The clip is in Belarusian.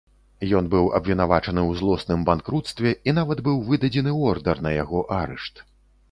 Ён быў абвінавачаны ў злосным банкруцтве і нават быў выдадзены ордар на яго арышт.